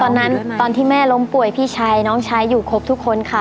ตอนที่แม่ล้มป่วยพี่ชายน้องชายอยู่ครบทุกคนค่ะ